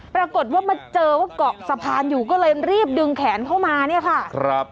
ปรากฏว่ามาเจอว่าเกาะสะพานอยู่ก็เลยรีบดึงแขนเข้ามาเนี่ยค่ะครับ